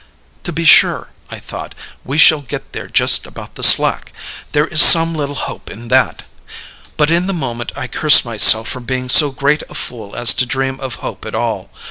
"'To be sure,' I thought, 'we shall get there just about the slack there is some little hope in that'; but in the moment I cursed myself for being so great a fool as to dream of hope at all.